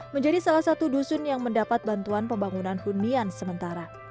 menjadi salah satu dusun yang mendapat bantuan pembangunan hunian sementara